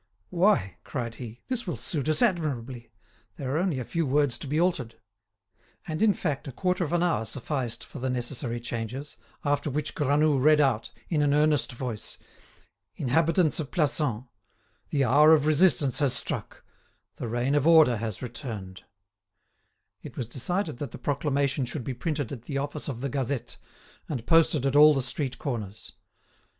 "Why," cried he, "this will suit us admirably! There are only a few words to be altered." And, in fact, a quarter of an hour sufficed for the necessary changes, after which Granoux read out, in an earnest voice: "Inhabitants of Plassans—The hour of resistance has struck, the reign of order has returned——" It was decided that the proclamation should be printed at the office of the "Gazette," and posted at all the street corners.